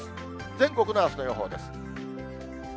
全国のあすの予報です。